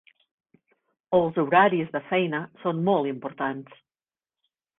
Els horaris de feina són molt importants.